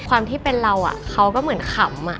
ความที่เป็นเราเขาก็เหมือนขำ